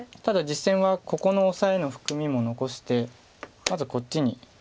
ただ実戦はここのオサエの含みも残してまずこっちに。